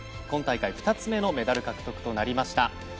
今大会２つ目のメダル獲得となりました。